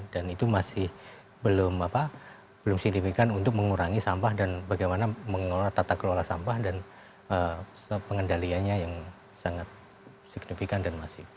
dan itu masih belum signifikan untuk mengurangi sampah dan bagaimana mengelola tata kelola sampah dan pengendaliannya yang sangat signifikan dan masih